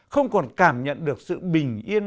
không còn cảm nhận được sự bình yên